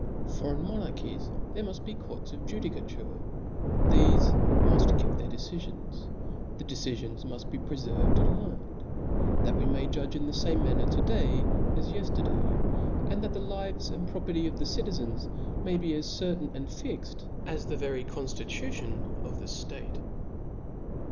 For in monarchies there muft be courts of judicature ; thefe muft give their de* cifions ; the decifions muft be prefcFved and learnt, that we may judge in the fame manner to day as yefterday, and that the lives and property of the citizens may be as certain and fixt as the very con ftitution of the ftate.